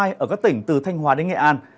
từ chiều mai ở các tỉnh từ thanh hóa đến nghệ an